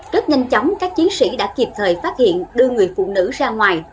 rất nhanh chóng các chiến sĩ đã kịp thời phát hiện đưa người phụ nữ ra ngoài